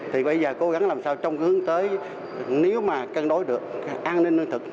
thì bây giờ cố gắng làm sao trong hướng tới nếu mà cân đối được an ninh lương thực